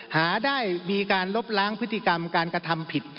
หาได้มีการลบล้างพฤติกรรมการกระทำผิด